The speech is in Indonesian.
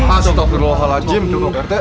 assalamualaikum pak rt